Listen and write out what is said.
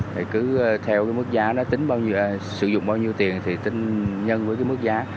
thì cứ theo cái mức giá đó tính bao nhiêu sử dụng bao nhiêu tiền thì tính nhân với cái mức giá